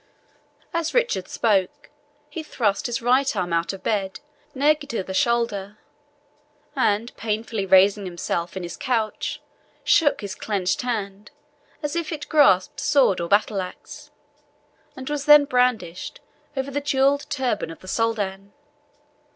As Richard spoke, he thrust his right arm out of bed naked to the shoulder, and painfully raising himself in his couch, shook his clenched hand, as if it grasped sword or battle axe, and was then brandished over the jewelled turban of the Soldan.